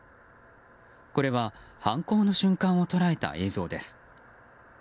これは犯行の瞬間を捉えた映像です。